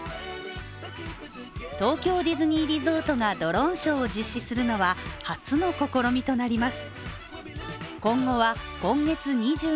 東京ディズニーリゾートがドローンショーを実施するのは初の試みとなります。